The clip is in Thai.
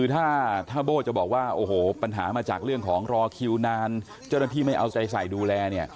ถ้าโบ้จะบอกว่าโอ้โหปัญหามาจากเรื่องของรอคิวนานเจ้าหน้าที่ไม่เอาใจใส่ดูแลเนี่ย